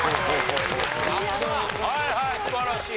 はいはい素晴らしい。